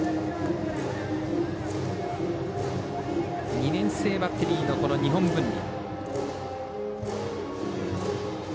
２年生バッテリーの日本文理。